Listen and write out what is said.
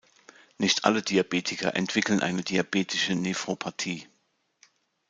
Nicht alle Diabetiker entwickeln eine diabetische Nephropathie.